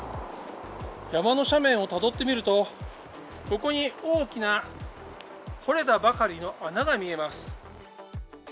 山の斜面をたどってみると、ここに大きな掘れたばかりの穴があります。